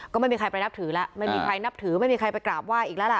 ก็ไม่มีใครไปนับถือแล้วไม่มีใครนับถือไม่มีใครไปกราบไห้อีกแล้วล่ะ